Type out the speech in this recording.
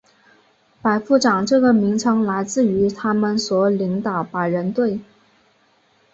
百夫长这个名称来自于他们所领导百人队。